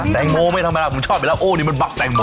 แตงโมไม่ธรรมดาผมชอบอยู่แล้วโอ้นี่มันบักแตงโม